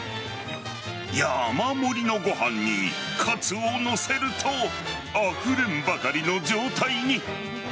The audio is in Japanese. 山盛りのご飯にカツを載せるとあふれんばかりの状態に。